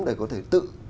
để có thể tự